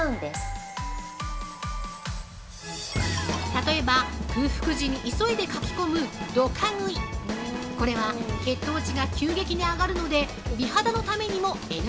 ◆例えば、空腹時に急いでかき込む「どか食い」これは血糖値が急激に上がるので美肌のためにもＮＧ。